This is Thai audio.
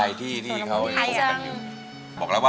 อันดับนี้เป็นแบบนี้